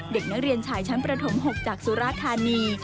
เด็กนักเรียนชายชั้นประถม๖จากสุราธานี